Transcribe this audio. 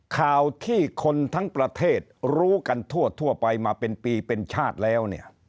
ข่าวที่คนทั้งประเทศรู้กันทั่วไปมาเป็นปีเป็นชาติแล้วเนี่ย